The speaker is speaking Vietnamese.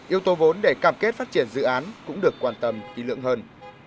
yếu tố vốn để cảm kết phát triển dự án cũng được quan tâm kỹ lượng hơn